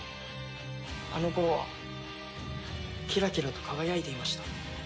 あの頃はキラキラと輝いていました。